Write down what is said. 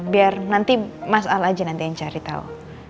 biar nanti mas al aja nanti yang cari tahu